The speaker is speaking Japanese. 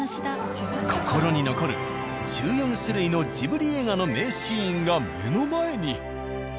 心に残る１４種類のジブリ映画の名シーンが目の前に。